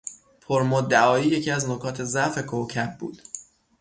پرمدعایی یکی از نکات ضعف کوکب بود.